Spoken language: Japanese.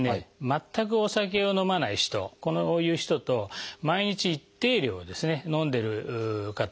全くお酒を飲まない人こういう人と毎日一定量飲んでる方。